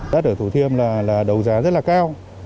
đất ở thủ thiêm là đấu giá rất là cao